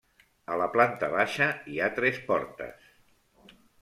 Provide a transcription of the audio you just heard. A la planta baixa hi ha tres portes.